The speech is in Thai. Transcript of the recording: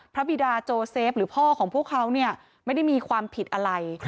บิดาโจเซฟหรือพ่อของพวกเขาเนี่ยไม่ได้มีความผิดอะไร